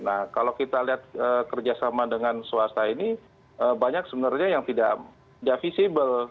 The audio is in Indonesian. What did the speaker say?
nah kalau kita lihat kerjasama dengan swasta ini banyak sebenarnya yang tidak visible